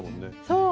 そう！